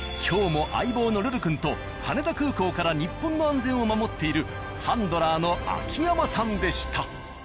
今日も相棒のルル君と羽田空港から日本の安全を守っているハンドラーの秋山さんでした。